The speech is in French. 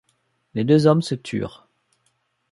Les deux hommes se turent.